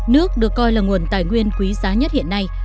nước được coi là nguồn tài nguyên quý giá nhất hiện nay